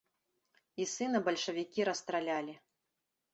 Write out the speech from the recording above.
І сына бальшавікі расстралялі.